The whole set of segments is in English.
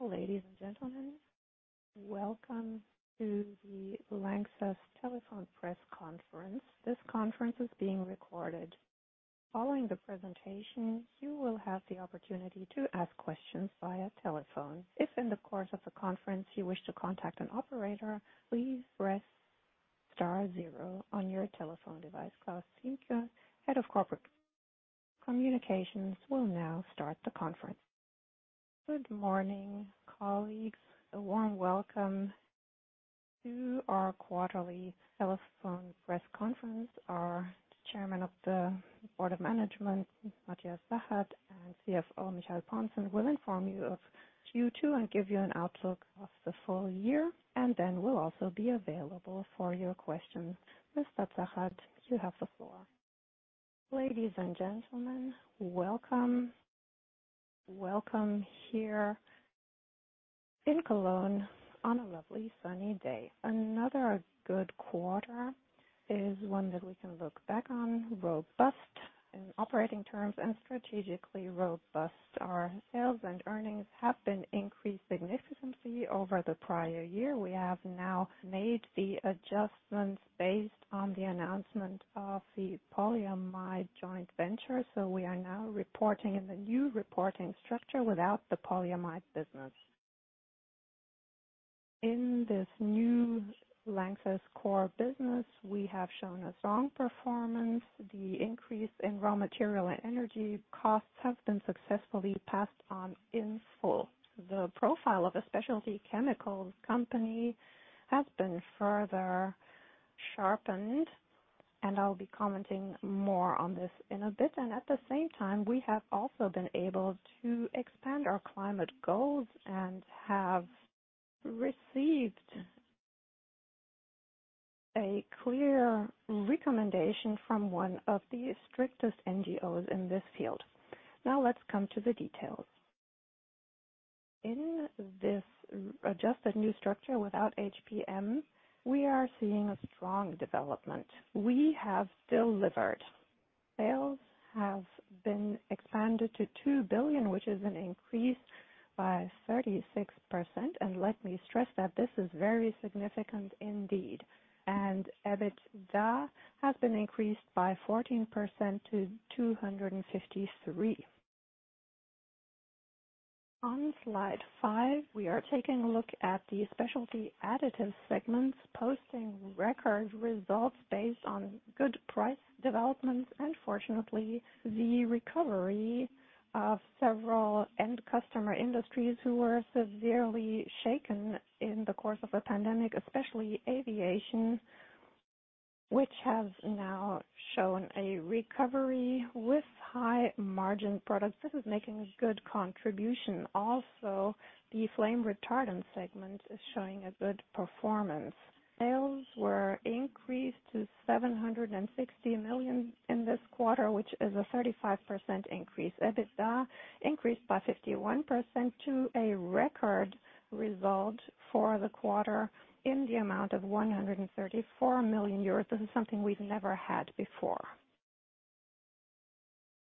Ladies and gentlemen, welcome to the LANXESS Telephone Press Conference. This conference is being recorded. Following the presentation, you will have the opportunity to ask questions via telephone. If in the course of the conference you wish to contact an operator, please press star zero on your telephone device. Claus Zemke, Head of Corporate Communications will now start the conference. Good morning, colleagues. A warm welcome to our quarterly telephone press conference. Our Chairman of the Board of Management, Matthias Zachert, and CFO Michael Pontzen will inform you of Q2 and give you an outlook of the full year, and then we'll also be available for your questions. Mr. Zachert, you have the floor. Ladies and gentlemen, welcome. Welcome here in Cologne on a lovely sunny day. Another good quarter is one that we can look back on, robust in operating terms and strategically robust. Our sales and earnings have been increased significantly over the prior year. We have now made the adjustments based on the announcement of the polyamide joint venture, so we are now reporting in the new reporting structure without the polyamide business. In this new LANXESS core business, we have shown a strong performance. The increase in raw material and energy costs have been successfully passed on in full. The profile of a specialty chemicals company has been further sharpened, and I'll be commenting more on this in a bit. At the same time, we have also been able to expand our climate goals and have received a clear recommendation from one of the strictest NGOs in this field. Now let's come to the details. In this adjusted new structure without HPM, we are seeing a strong development. We have delivered. Sales have been expanded to 2 billion, which is an increase by 36%, and let me stress that this is very significant indeed. EBITDA has been increased by 14% to 253 million. On slide five, we are taking a look at the specialty additives segment, posting record results based on good price developments, and fortunately, the recovery of several end customer industries who were severely shaken in the course of the pandemic, especially aviation, which has now shown a recovery with high margin products. This is making a good contribution. Also, the flame retardant segment is showing a good performance. Sales were increased to 760 million in this quarter, which is a 35% increase. EBITDA increased by 51% to a record result for the quarter in the amount of 134 million euros. This is something we've never had before.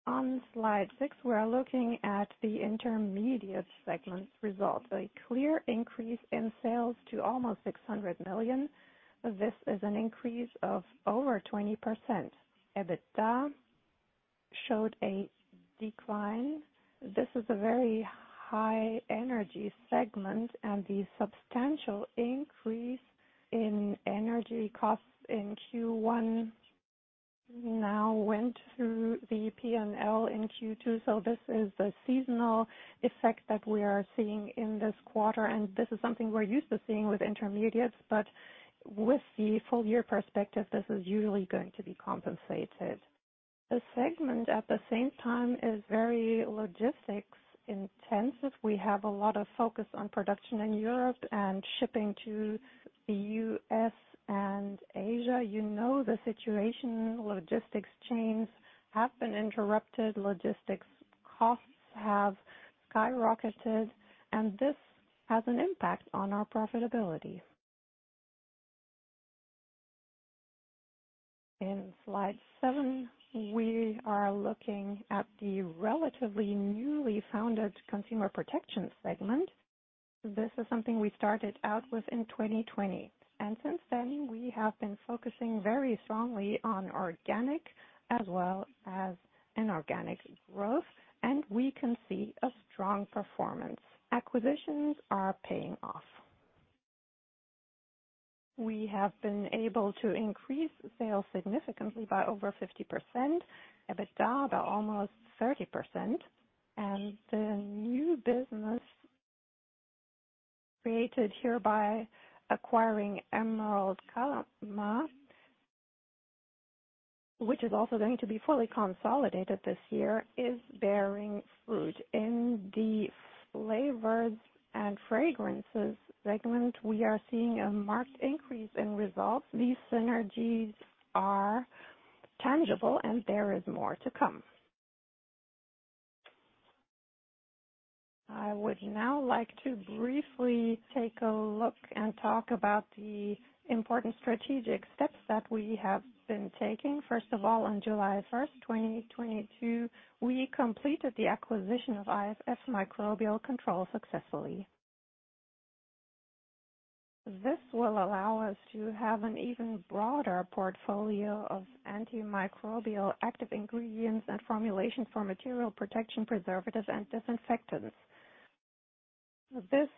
On slide six, we are looking at the intermediates segment results, a clear increase in sales to almost 600 million. This is an increase of over 20%. EBITDA showed a decline. This is a very high energy segment and the substantial increase in energy costs in Q1 now went through the P&L in Q2. This is a seasonal effect that we are seeing in this quarter, and this is something we're used to seeing with intermediates, but with the full year perspective, this is usually going to be compensated. The segment at the same time is very logistics intensive. We have a lot of focus on production in Europe and shipping to the U.S. and Asia. You know the situation, logistics chains have been interrupted, logistics costs have skyrocketed, and this has an impact on our profitability. In slide seven, we are looking at the relatively newly founded consumer protection segment. This is something we started out with in 2020, and since then, we have been focusing very strongly on organic as well as inorganic growth, and we can see a strong performance. Acquisitions are paying off. We have been able to increase sales significantly by over 50%, EBITDA by almost 30%. The new business created here by acquiring Emerald Kalama, which is also going to be fully consolidated this year, is bearing fruit. In the flavors and fragrances segment, we are seeing a marked increase in results. These synergies are tangible and there is more to come. I would now like to briefly take a look and talk about the important strategic steps that we have been taking. First of all, on July 1st 2022, we completed the acquisition of IFF Microbial Control successfully. This will allow us to have an even broader portfolio of antimicrobial active ingredients and formulation for material protection, preservatives and disinfectants. This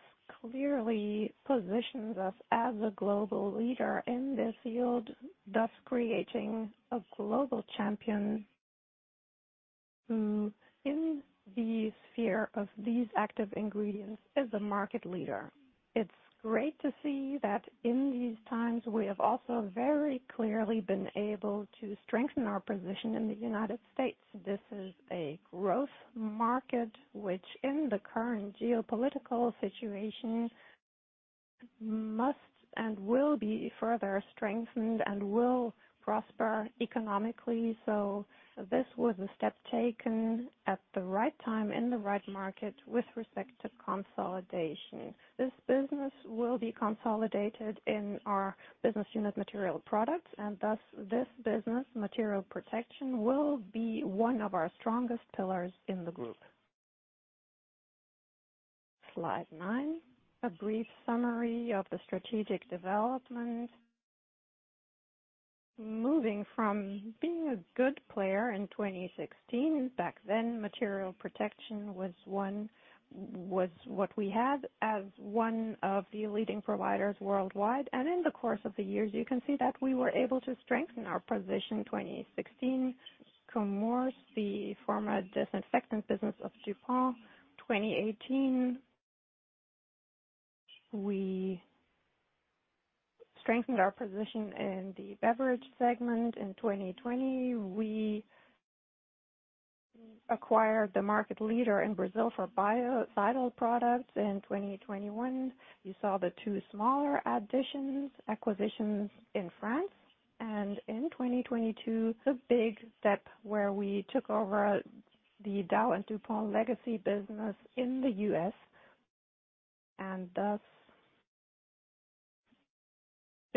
clearly positions us as a global leader in this field, thus creating a global champion who, in the sphere of these active ingredients, is a market leader. It's great to see that in these times, we have also very clearly been able to strengthen our position in the United States. This is a growth market which in the current geopolitical situation, must and will be further strengthened and will prosper economically. This was a step taken at the right time in the right market with respect to consolidation. This business will be consolidated in our business unit Material Protection Products, and thus this business Material Protection will be one of our strongest pillars in the group. Slide nine. A brief summary of the strategic development. Moving from being a good player in 2016. Back then, Material Protection was one of the leading providers worldwide. In the course of the years, you can see that we were able to strengthen our position. 2016, Chemours, the former disinfectant business of DuPont. 2018, we strengthened our position in the beverage segment. In 2020, we acquired the market leader in Brazil for biocidal products. In 2021, you saw the two smaller additions, acquisitions in France. In 2022, the big step where we took over the Dow and DuPont legacy business in the U.S. and thus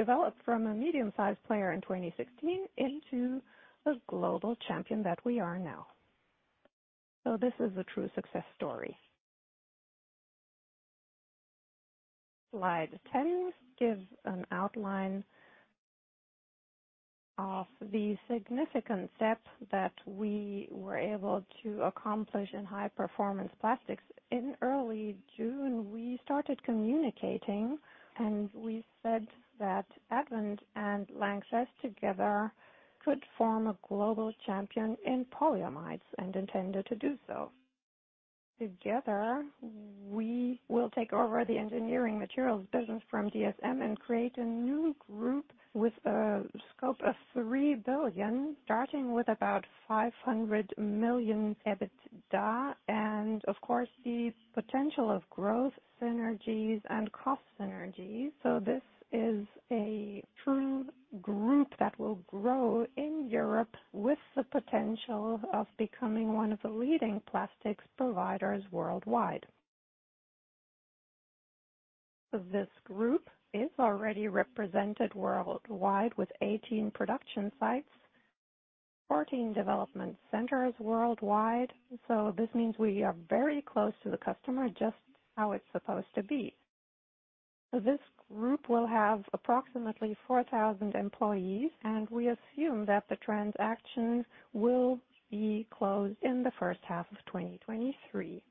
developed from a medium-sized player in 2016 into a global champion that we are now. This is a true success story. Slide 10 gives an outline of the significant steps that we were able to accomplish in high-performance plastics. In early June, we started communicating, and we said that Advent and LANXESS together could form a global champion in polyamides and intended to do so. Together, we will take over the engineering materials business from DSM and create a new group with a scope of 3 billion, starting with about 500 million EBITDA and of course, the potential of growth synergies and cost synergies. This is a true group that will grow in Europe with the potential of becoming one of the leading plastics providers worldwide. This group is already represented worldwide with 18 production sites, 14 development centers worldwide. This means we are very close to the customer, just how it's supposed to be. This group will have approximately 4,000 employees, and we assume that the transaction will be closed in the first half of 2023.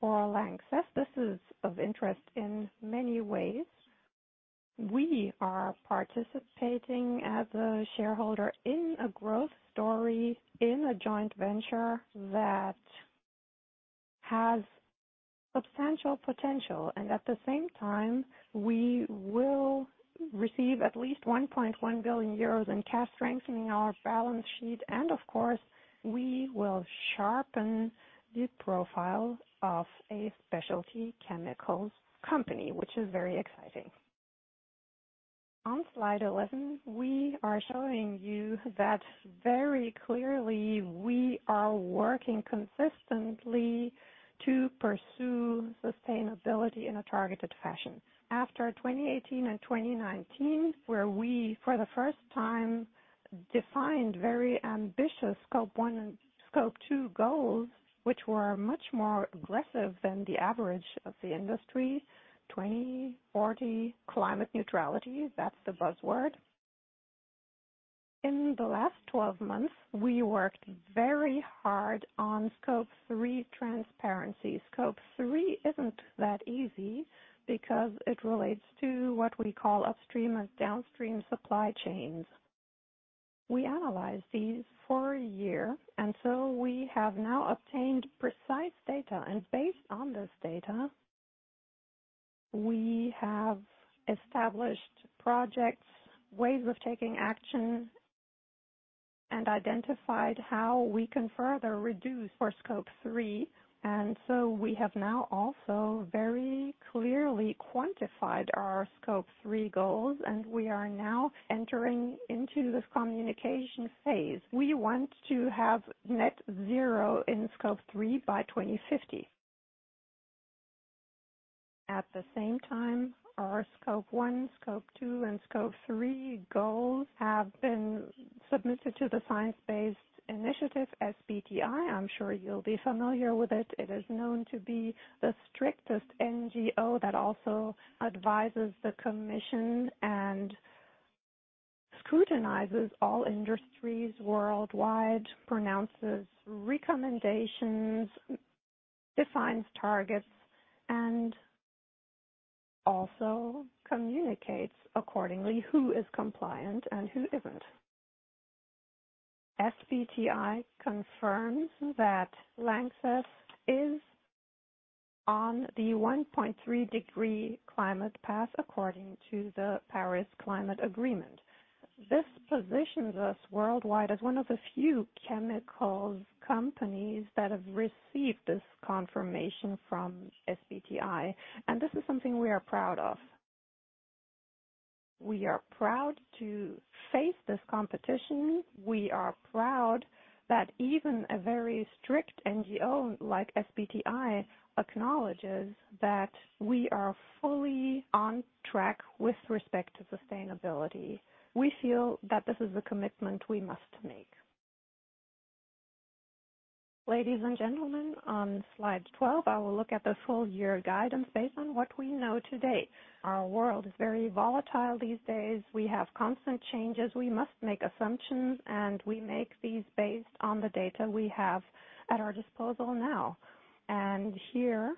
For LANXESS, this is of interest in many ways. We are participating as a shareholder in a growth story in a joint venture that has substantial potential. At the same time, we will receive at least 1.1 billion euros in cash, strengthening our balance sheet. Of course, we will sharpen the profile of a specialty chemicals company, which is very exciting. On slide 11, we are showing you that very clearly, we are working consistently to pursue sustainability in a targeted fashion. After 2018 and 2019, where we for the first time defined very ambitious Scope 1 and Scope 2 goals, which were much more aggressive than the average of the industry. 2040 climate neutrality, that's the buzzword. In the last 12 months, we worked very hard on Scope 3 transparency. Scope 3 isn't that easy because it relates to what we call upstream and downstream supply chains. We analyzed these for a year, and so we have now obtained precise data. Based on this data, we have established projects, ways of taking action, and identified how we can further reduce for Scope 3. We have now also very clearly quantified our Scope 3 goals, and we are now entering into this communication phase. We want to have net zero in Scope 3 by 2050. At the same time, our Scope 1, Scope 2, and Scope 3 goals have been submitted to the Science Based Targets initiative, SBTi. I'm sure you'll be familiar with it. It is known to be the strictest NGO that also advises the commission and scrutinizes all industries worldwide, pronounces recommendations, defines targets, and also communicates accordingly who is compliant and who isn't. SBTi confirms that LANXESS is on the 1.3-degree climate path according to the Paris Climate Agreement. This positions us worldwide as one of the few chemicals companies that have received this confirmation from SBTi, and this is something we are proud of. We are proud to face this competition. We are proud that even a very strict NGO like SBTi acknowledges that we are fully on track with respect to sustainability. We feel that this is a commitment we must make. Ladies and gentlemen, on slide twelve, I will look at the full year guidance based on what we know to date. Our world is very volatile these days. We have constant changes. We must make assumptions, and we make these based on the data we have at our disposal now. Here,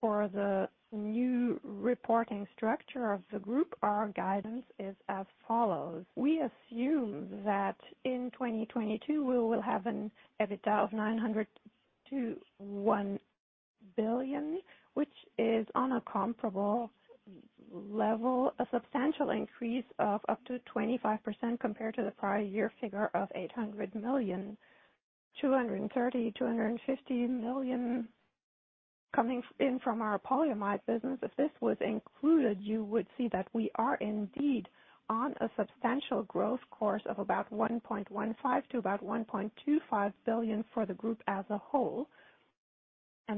for the new reporting structure of the group, our guidance is as follows. We assume that in 2022 we will have an EBITDA of 900 million-1 billion, which is on a comparable level, a substantial increase of up to 25% compared to the prior year figure of 800 million. 230-250 million coming in from our polyamide business. If this was included, you would see that we are indeed on a substantial growth course of about 1.15 billion-1.25 billion for the group as a whole.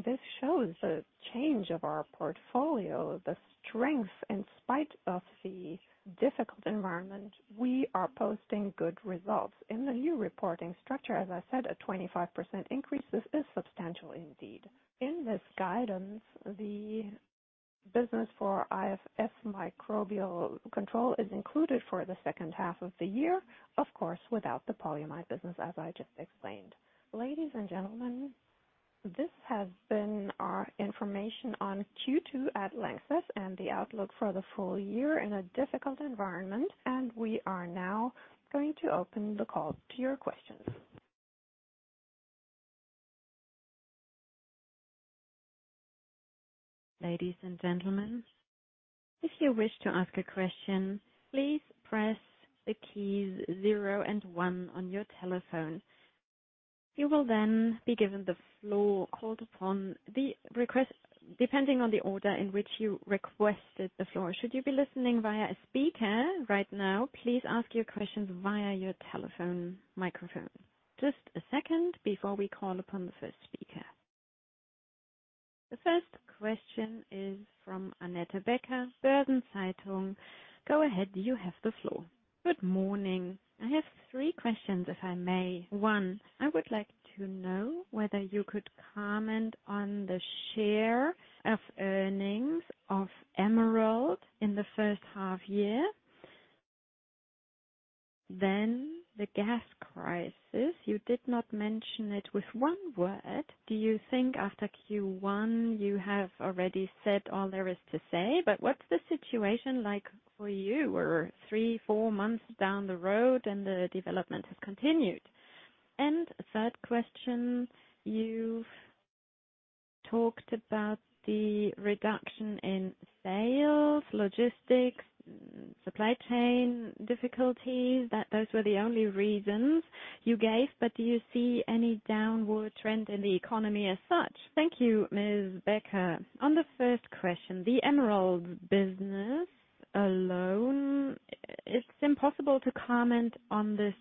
This shows the change of our portfolio, the strength. In spite of the difficult environment, we are posting good results. In the new reporting structure, as I said, a 25% increase. This is substantial indeed. In this guidance, the business for IFF Microbial Control is included for the second half of the year, of course, without the polyamide business, as I just explained. Ladies and gentlemen, this has been our information on Q2 at LANXESS and the outlook for the full year in a difficult environment. We are now going to open the call to your questions. Ladies and gentlemen, if you wish to ask a question, please press the keys zero and one on your telephone. You will then be given the floor, called upon the request, depending on the order in which you requested the floor. Should you be listening via a speaker right now, please ask your questions via your telephone microphone. Just a second before we call upon the first speaker. The first question is from Annette Becker, Börsen-Zeitung. Go ahead. You have the floor. Good morning. I have three questions, if I may. One, I would like to know whether you could comment on the share of earnings of Emerald in the first half year. Then the gas crisis. You did not mention it with one word. Do you think after Q1 you have already said all there is to say, but what's the situation like for you? We're three, four months down the road and the development has continued. A third question. You've talked about the reduction in sales, logistics, supply chain difficulties, that those were the only reasons you gave. Do you see any downward trend in the economy as such? Thank you, Ms. Becker. On the first question, the Emerald business alone, it's impossible to comment on this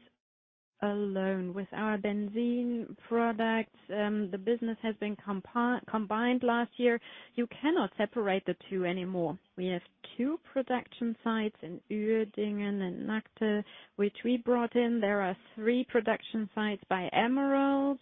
alone. With our benzoate products, the business has been combined last year. You cannot separate the two anymore. We have two production sites in Uerdingen and Nagda, which we brought in. There are three production sites by Emerald,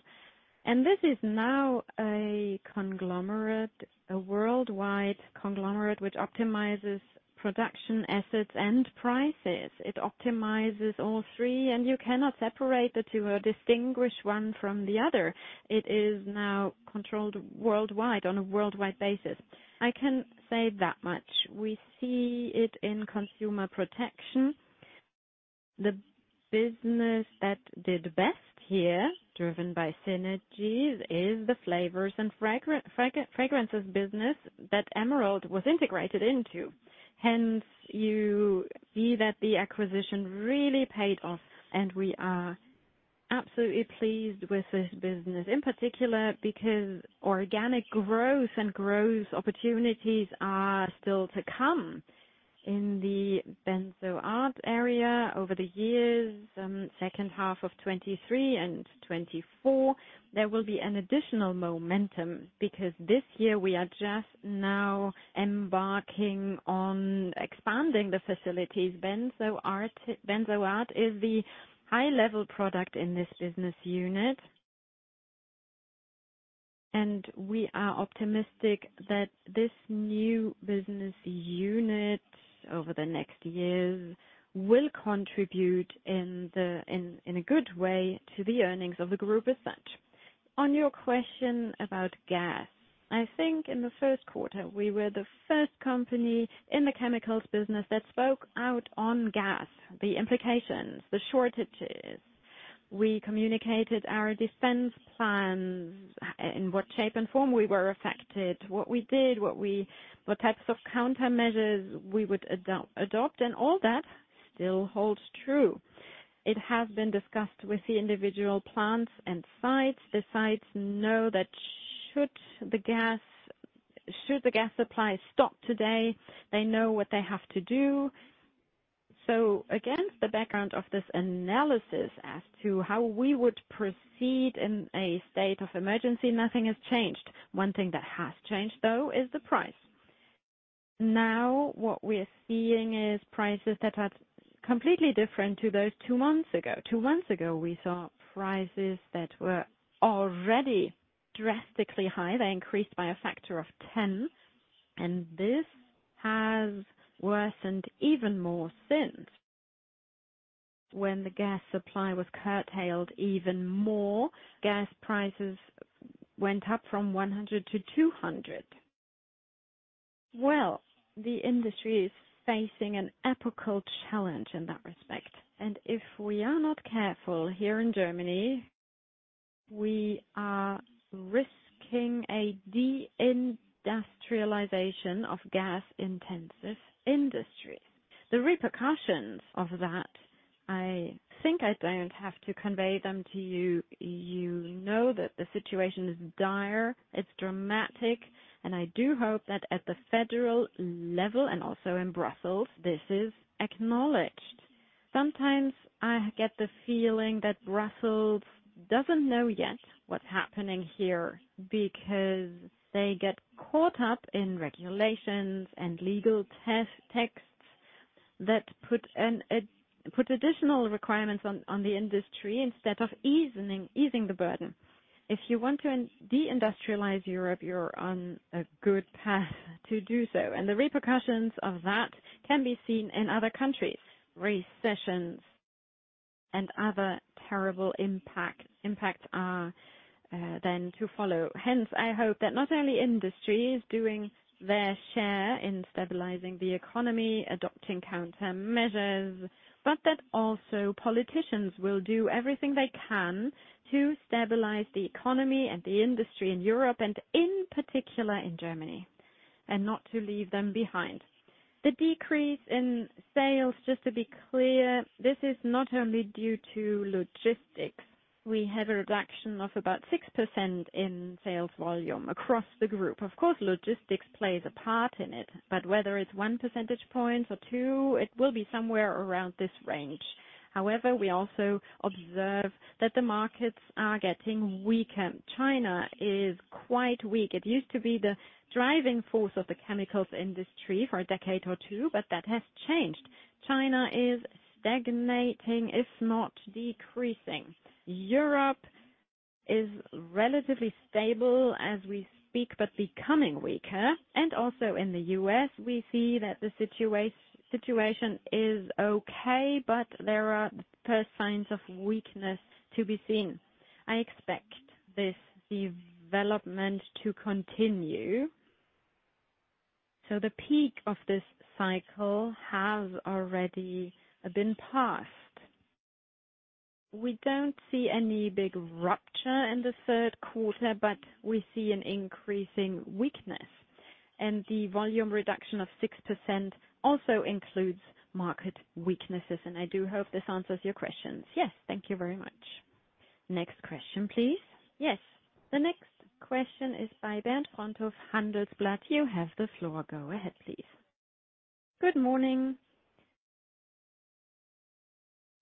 and this is now a conglomerate, a worldwide conglomerate, which optimizes production assets and prices. It optimizes all three, and you cannot separate the two or distinguish one from the other. It is now controlled worldwide on a worldwide basis. I can say that much. We see it in consumer protection. The business that did best here, driven by synergies, is the flavors and fragrances business that Emerald was integrated into. Hence, you see that the acquisition really paid off. We are absolutely pleased with this business in particular, because organic growth and growth opportunities are still to come in the benzoate area over the years, second half of 2023 and 2024, there will be an additional momentum, because this year we are just now embarking on expanding the facilities. Benzoate is the high level product in this business unit. We are optimistic that this new business unit over the next years will contribute in a good way to the earnings of the group as such. On your question about gas, I think in the Q1, we were the first company in the chemicals business that spoke out on gas, the implications, the shortages. We communicated our defense plans in what shape and form we were affected, what we did, what types of countermeasures we would adopt, and all that still holds true. It has been discussed with the individual plants and sites. The sites know that should the gas supply stop today, they know what they have to do. Against the background of this analysis as to how we would proceed in a state of emergency, nothing has changed. One thing that has changed, though, is the price. Now, what we're seeing is prices that are completely different to those two months ago. Two months ago, we saw prices that were already drastically high. They increased by a factor of 10, and this has worsened even more since. When the gas supply was curtailed even more, gas prices went up from 100 million to 200 milion. Well, the industry is facing an epochal challenge in that respect, and if we are not careful here in Germany, we are risking a de-industrialization of gas-intensive industry. The repercussions of that, I think I don't have to convey them to you. You know that the situation is dire, it's dramatic, and I do hope that at the federal level and also in Brussels, this is acknowledged. Sometimes I get the feeling that Brussels doesn't know yet what's happening here because they get caught up in regulations and legal texts that put additional requirements on the industry instead of easing the burden. If you want to de-industrialize Europe, you're on a good path to do so, and the repercussions of that can be seen in other countries. Recessions and other terrible impacts are then to follow. Hence, I hope that not only industry is doing their share in stabilizing the economy, adopting countermeasures, but that also politicians will do everything they can to stabilize the economy and the industry in Europe, and in particular in Germany, and not to leave them behind. The decrease in sales, just to be clear, this is not only due to logistics. We have a reduction of about 6% in sales volume across the group. Of course, logistics plays a part in it, but whether it's 1 percentage point or two, it will be somewhere around this range. However, we also observe that the markets are getting weaker. China is quite weak. It used to be the driving force of the chemicals industry for a decade or two, but that has changed. China is stagnating, if not decreasing. Europe is relatively stable as we speak, but becoming weaker. Also in the U.S., we see that the situation is okay, but there are first signs of weakness to be seen. I expect this development to continue. The peak of this cycle has already been passed. We don't see any big rupture in the third quarter, but we see an increasing weakness, and the volume reduction of 6% also includes market weaknesses, and I do hope this answers your questions. Yes, thank you very much. Next question, please. Yes, the next question is by Bert Fröndhoff, Handelsblatt. You have the floor. Go ahead, please. Good morning.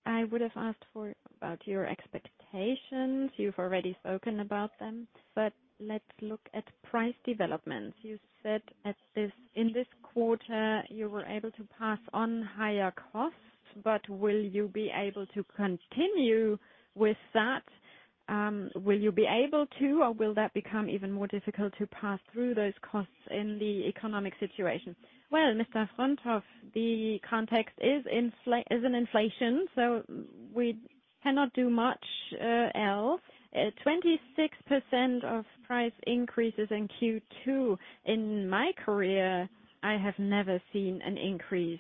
I would have asked about your expectations. You've already spoken about them, but let's look at price developments. You said in this quarter, you were able to pass on higher costs, but will you be able to continue with that? Will you be able to, or will that become even more difficult to pass through those costs in the economic situation? Well, Mr. Fröndhoff, the context is an inflation, so we cannot do much else. 26% of price increases in Q2. In my career, I have never seen an increase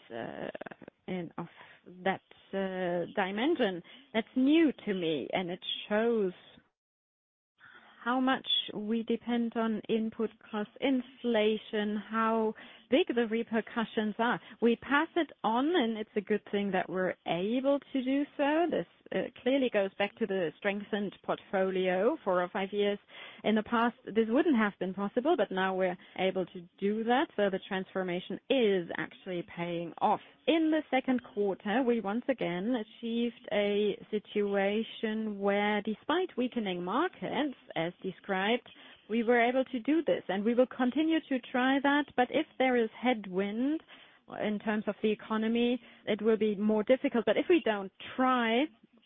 of that dimension. That's new to me, and it shows how much we depend on input cost inflation, how big the repercussions are. We pass it on, and it's a good thing that we're able to do so. This clearly goes back to the strengthened portfolio four or five years in the past. This wouldn't have been possible, but now we're able to do that. The transformation is actually paying off. In the second quarter, we once again achieved a situation where despite weakening markets, as described, we were able to do this, and we will continue to try that. If there is headwind in terms of the economy, it will be more difficult. If we don't try,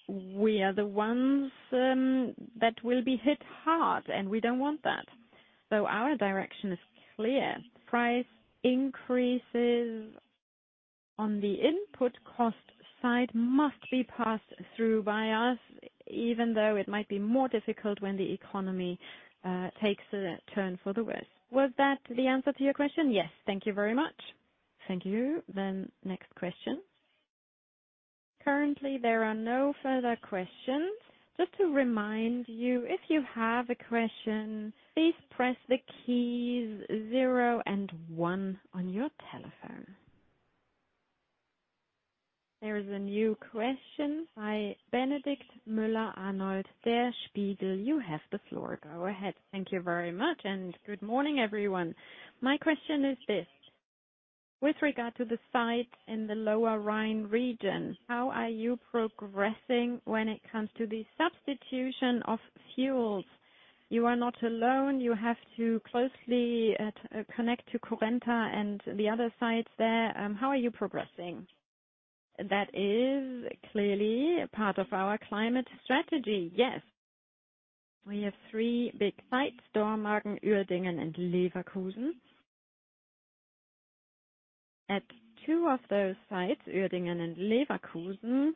we are the ones that will be hit hard, and we don't want that. Our direction is clear. Price increases on the input cost side must be passed through by us, even though it might be more difficult when the economy takes a turn for the worst. Was that the answer to your question? Yes. Thank you very much. Thank you. Next question. Currently there are no further questions. Just to remind you, if you have a question, please press the keys zero and one on your telephone. There is a new question by Benedikt Müller-Arnold, Der Spiegel. You have the floor. Go ahead. Thank you very much and good morning, everyone. My question is this, with regard to the sites in the Lower Rhine region, how are you progressing when it comes to the substitution of fuels? You are not alone. You have to closely connect to Currenta and the other sites there. How are you progressing? That is clearly a part of our climate strategy, yes. We have three big sites, Dormagen, Uerdingen, and Leverkusen. At two of those sites, Uerdingen and Leverkusen,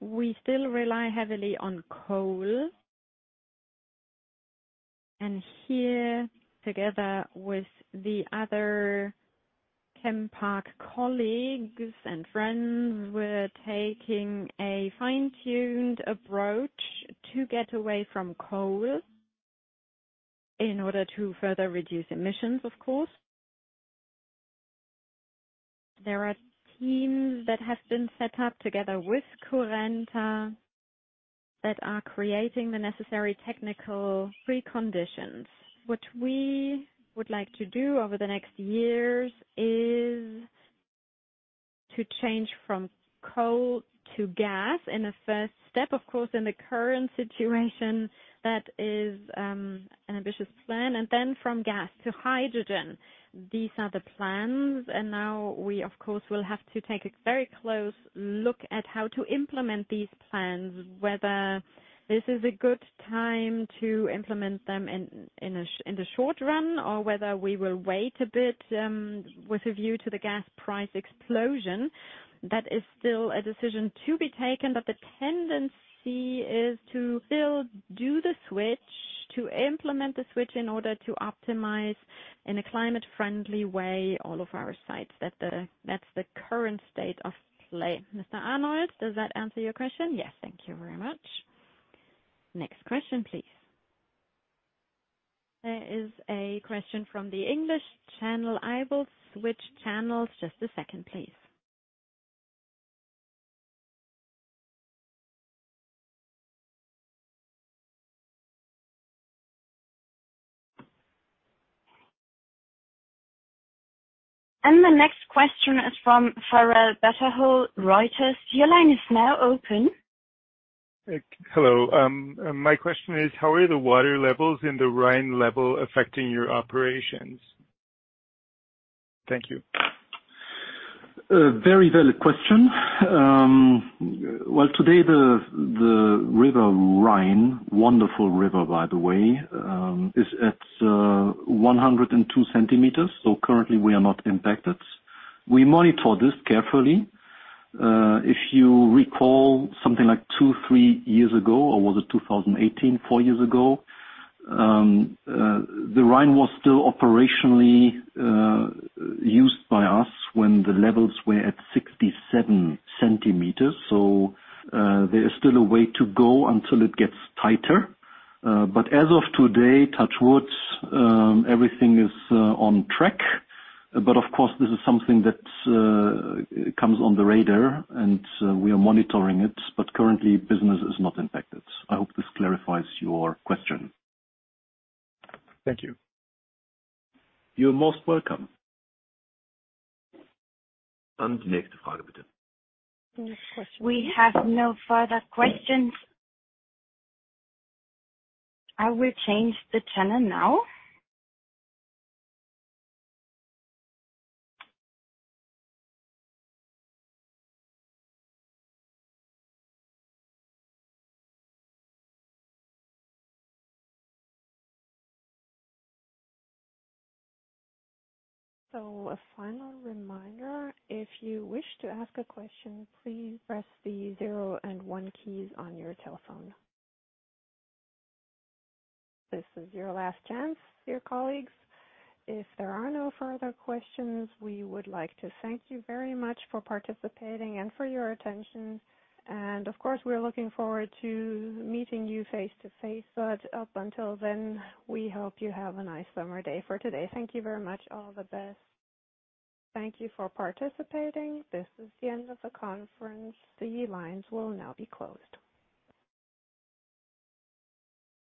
we still rely heavily on coal. Here, together with the other CHEMPARK colleagues and friends, we're taking a fine-tuned approach to get away from coal in order to further reduce emissions, of course. There are teams that have been set up together with Currenta that are creating the necessary technical preconditions. What we would like to do over the next years is to change from coal to gas in a first step. Of course, in the current situation that is an ambitious plan, and then from gas to hydrogen. These are the plans, and now we of course will have to take a very close look at how to implement these plans, whether this is a good time to implement them in the short run or whether we will wait a bit, with a view to the gas price explosion. That is still a decision to be taken, but the tendency is to still do the switch, to implement the switch in order to optimize, in a climate friendly way, all of our sites. That's the current state of play. Mr. Müller-Arnold, does that answer your question? Yes. Thank you very much. Next question please. There is a question from the English channel. I will switch channels. Just a second, please. The next question is from Farrell Betterhole, Reuters. Your line is now open. Hello. My question is, how are the water levels in the Rhine level affecting your operations? Thank you. Very valid question. Today the River Rhine, wonderful river by the way, is at 102 cm, so currently we are not impacted. We monitor this carefully. If you recall, something like two, three years ago, or was it 2018, four years ago, the Rhine was still operationally used by us when the levels were at 67 cm. There is still a way to go until it gets tighter. As of today, touch wood, everything is on track. Of course this is something that comes on the radar and we are monitoring it, but currently business is not impacted. I hope this clarifies your question. Thank you. You're most welcome. We have no further questions. I will change the channel now. A final reminder, if you wish to ask a question, please press the zero and one keys on your telephone. This is your last chance, dear colleagues. If there are no further questions, we would like to thank you very much for participating and for your attention. Of course we're looking forward to meeting you face-to-face. Up until then, we hope you have a nice summer day for today. Thank you very much. All the best. Thank you for participating. This is the end of the conference. The lines will now be closed.